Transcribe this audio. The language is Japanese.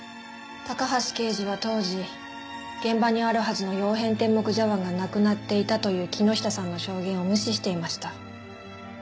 高橋刑事は当時現場にあるはずの曜変天目茶碗がなくなっていたという木下さんの証言を無視していました。